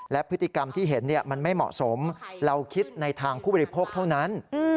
และพฤติกรรมที่เห็นมันไม่เหมาะสมเราคิดในทางผู้บริโภคเท่านั้น